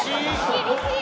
厳しい！